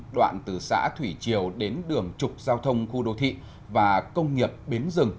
đoạn từ xã thủy triều đến đường trục giao thông khu đô thị và công nghiệp bến rừng